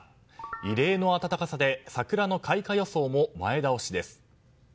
異例の暖かさで桜の開花予想も前倒しです。